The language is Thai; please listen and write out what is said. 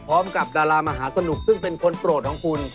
ดารามหาสนุกซึ่งเป็นคนโปรดของคุณ